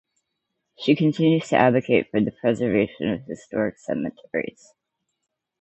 She continues to advocate for the preservation of historic cemeteries.